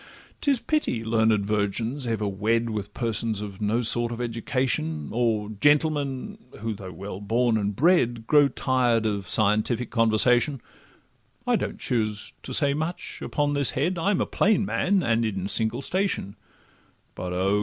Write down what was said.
'Tis pity learned virgins ever wed With persons of no sort of education, Or gentlemen, who, though well born and bred, Grow tired of scientific conversation: I don't choose to say much upon this head, I'm a plain man, and in a single station, But—Oh!